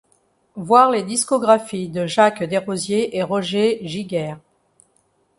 Voir les discographies de Jacques Desrosiers et Roger Giguère.